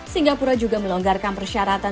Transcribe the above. singapura juga melonggarkan persyaratan